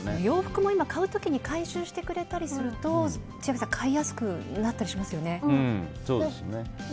洋服も買う時に回収してくれたりすると千秋さん買いやすくなったりしますよね。